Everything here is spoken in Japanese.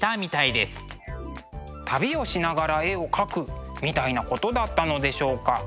旅をしながら絵を描くみたいなことだったのでしょうか。